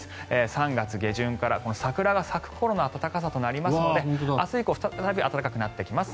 ３月下旬から桜が咲く頃の暖かさとなりますので明日以降再び暖かくなってきます。